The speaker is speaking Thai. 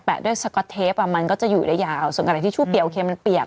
แปะด้วยสก๊อตเทปมันก็จะอยู่ได้ยาวส่วนกันที่ชู้เปียกมันเปียก